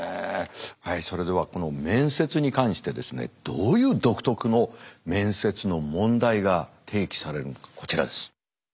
それではこの面接に関してですねどういう独特の面接の問題が提起されるのかこちらです。